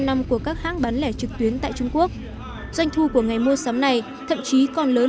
năm của các hãng bán lẻ trực tuyến tại trung quốc doanh thu của ngày mua sắm này thậm chí còn lớn